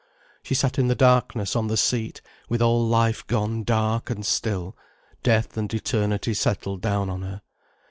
She sat in the darkness on the seat, with all life gone dark and still, death and eternity settled down on her.